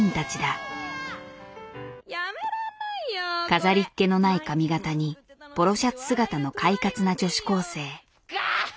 飾りっ気のない髪形にポロシャツ姿の快活な女子高生。